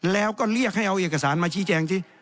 แล้วก็เรียกให้เอาเอกสารมาชี้แจงสิ